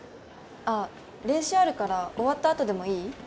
あっ練習あるから終わったあとでもいい？